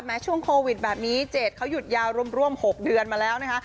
ช่วงโควิดแบบนี้เจดเขาหยุดยาวรวม๖เดือนมาแล้วนะคะ